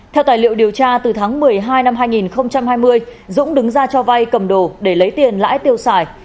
theo tài liệu điều tra từ tháng một mươi hai năm hai nghìn hai mươi dũng đứng ra cho vay cầm đồ để lấy tiền lãi tiêu xài